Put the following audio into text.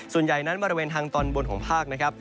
ส่วนใหญ่นั้นบริเวณทางตอนบนของภาคนะครับ